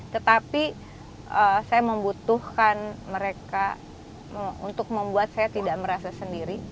tetapi saya membutuhkan mereka untuk membuat saya tidak merasa sendiri